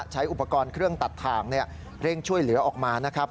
ใช้อุปกรณ์เครื่องตัดทางเร่งช่วยเหลือออกมานะครับ